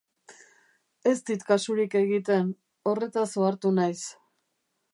Ez dit kasurik egiten, horretaz ohartu naiz.